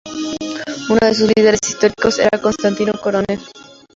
Uno de sus líderes históricos era Constantino Coronel.